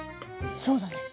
そうだね。